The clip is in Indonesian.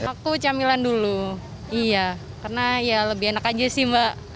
waktu camilan dulu iya karena ya lebih enak aja sih mbak